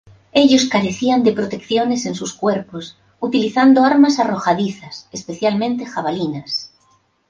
Ellos carecían de protecciones en sus cuerpos, utilizando armas arrojadizas, especialmente jabalinas.